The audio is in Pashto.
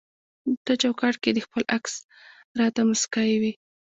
ته چوکاټ کي د خپل عکس راته مسکی وي